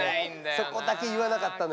そこだけ言わなかったのよ